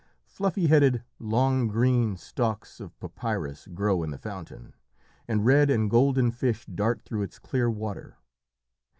Fluffy headed, long, green stalks of papyrus grow in the fountain, and red and golden fish dart through its clear water.